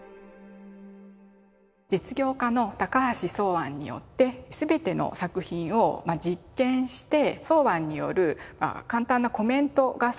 実業家の高橋箒庵によって全ての作品を実見して箒庵による簡単なコメントが添えられています。